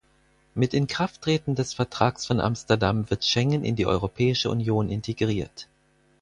Mit Inkrafttreten des Vertrags von Amsterdam wird Schengen in die Europäische Union integriert.